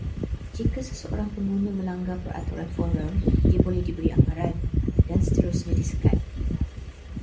Jika seseorang pengguna melanggar peraturan forum, dia boleh diberi amaran, dan seterusnya disekat